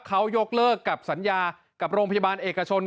เขายกเลิกกับสัญญากับโรงพยาบาลเอกชน